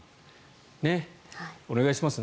お願いします。